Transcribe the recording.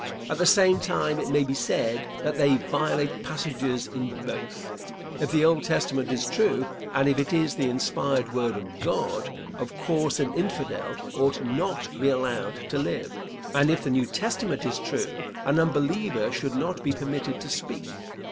At the same time, it may be said that they violate passages in both. If the Old Testament is true, and if it is the inspired word of God, of course, an Infidel ought not be allowed to live; and if the New Testament is true, an unbeliever should not be permitted to speak.